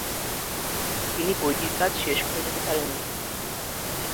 তিনি বইটির কাজ শেষ করে যেতে পারেননি।